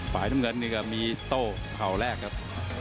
ฝ่ายตาเงินดีกว่ามีโต้ขัวแรกครับ